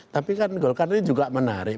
tapi kan golkar ini juga menarik